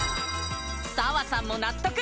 砂羽さんも納得